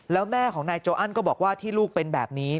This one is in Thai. แล้วแม่ของนายโจอันก็บอกว่าที่ลูกเป็นแบบนี้